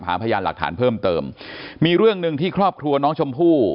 พยานหลักฐานเพิ่มเติมมีเรื่องหนึ่งที่ครอบครัวน้องชมพู่